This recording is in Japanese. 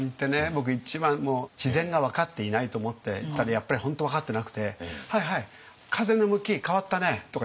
僕一番自然が分かっていないと思ってたらやっぱり本当分かってなくて「はいはい風の向き変わったね」とか言われる。